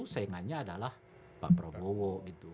saingannya adalah pak prabowo